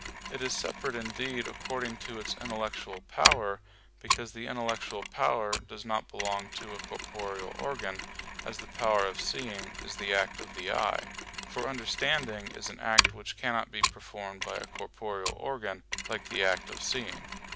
It is separate indeed according to its intellectual power, because the intellectual power does not belong to a corporeal organ, as the power of seeing is the act of the eye; for understanding is an act which cannot be performed by a corporeal organ, like the act of seeing.